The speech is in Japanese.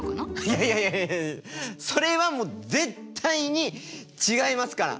いやいやそれは絶対に違いますから！